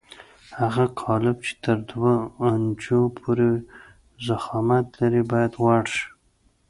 هغه قالب چې تر دوه انچو پورې ضخامت لري باید غوړ شي.